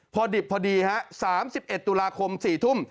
พอดิบพอดีฮะ๓๑ตุลาคม๔ทุ่ม